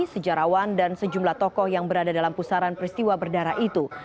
sejarawan dan sejumlah tokoh yang berada dalam pusaran peristiwa berdarah itu